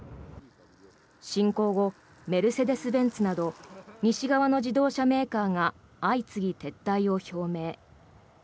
侵攻後メルセデス・ベンツなど西側の自動車メーカーが相次ぎ撤退を表明。